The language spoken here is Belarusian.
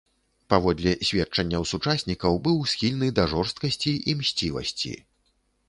Паводле сведчанняў сучаснікаў, быў схільны да жорсткасці і мсцівасці.